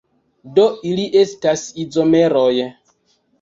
Do ili estas izomeroj.